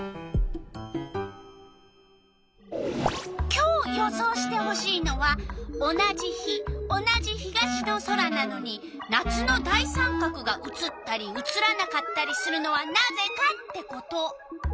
今日予想してほしいのは「同じ日同じ東の空なのに夏の大三角が写ったり写らなかったりするのはなぜか」ってこと。